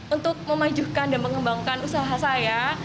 untuk memajukan dan mengembangkan usaha saya